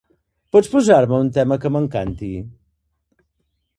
Pots posar-me un tema que m'encanti?